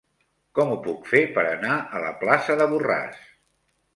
Com ho puc fer per anar a la plaça de Borràs?